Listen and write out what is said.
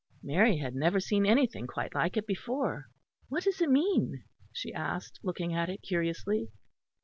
Mary had never seen anything quite like it before. "What does it mean?" she asked, looking at it curiously.